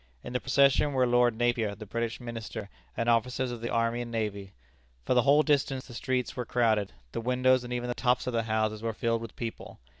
In the procession were Lord Napier, the British Minister, and officers of the army and navy. For the whole distance the streets were crowded. The windows and even the tops of the houses were filled with people.